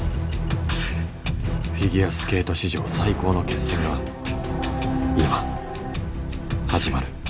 フィギュアスケート史上最高の決戦が今始まる。